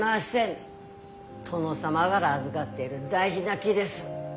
殿様がら預がってる大事な木です。